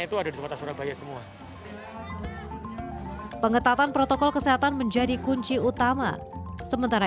itu ada di kota surabaya semua pengetatan protokol kesehatan menjadi kunci utama sementara